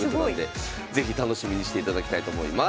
すごい！是非楽しみにしていただきたいと思います。